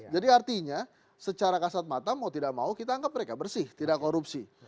jadi artinya secara kasat mata mau tidak mau kita anggap mereka bersih tidak korupsi